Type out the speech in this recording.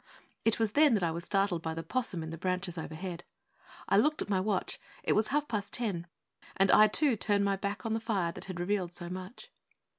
It was then that I was startled by the 'possum in the branches overhead. I looked at my watch; it was half past ten; and I too turned my back on the fire that had revealed so much.